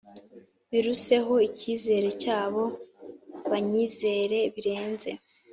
biruseho icyizere cyabo banyizere birenze.